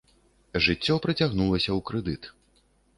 Жыццё працягнулася ў крэдыт.